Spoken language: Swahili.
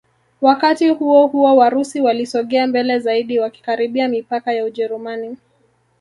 Wakati huohuo Warusi walisogea mbele zaidi wakikaribia mipaka ya Ujerumani